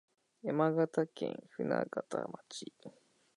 山形県舟形町